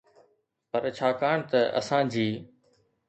پر ڇاڪاڻ ته اسان جي